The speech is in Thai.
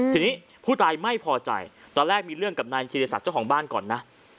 ทีนี้ผู้ตายไม่พอใจตอนแรกมีเรื่องกับนายธีรศักดิ์เจ้าของบ้านก่อนนะ